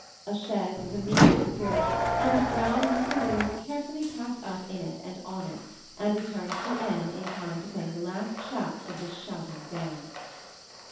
A chaise was immediately procured ; and Brown and his balloon were carefully {fticked up in it and on it, and returned to N. in time to claim the last shouts of this shouting day.